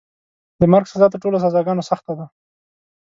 د مرګ سزا تر ټولو سزاګانو سخته ده.